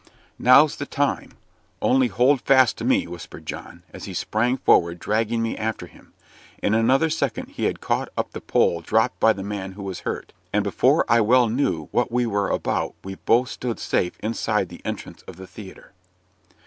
"Now's the time only hold fast to me!" whispered John, as he sprang forward, dragging me after him. In another second he had caught up the pole dropped by the man who was hurt; and before I well knew what we were about we both stood safe inside the entrance of the theatre.